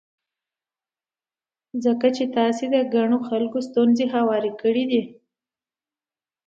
ځکه چې تاسې د ګڼو خلکو ستونزې هوارې کړې دي.